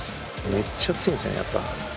めっちゃ強いんですよねやっぱ。